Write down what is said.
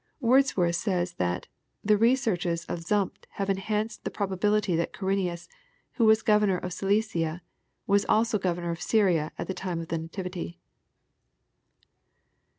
Words worth says that, " the researches of Ziimpt have enhanced the probability that Quirinius^ who was governor Gilicia^ was also governor of Syria at the time of the nativity."